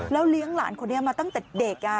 แล้วเลี้ยงหลานคนเดียวมาตั้งแต่เด็ก